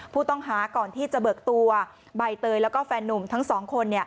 ผู้ต้องหาก่อนที่จะเบิกตัวใบเตยแล้วก็แฟนนุ่มทั้งสองคน